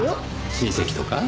親戚とか？